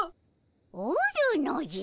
おるのじゃ。